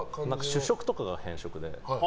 主食とかが偏食で。